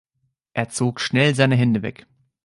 Er zog schnell seine Hände weg.